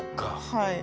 はい。